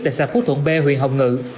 tại xã phú thuận b huyện hồng ngự